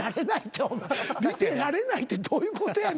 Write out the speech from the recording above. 見てられないってどういうことやねん。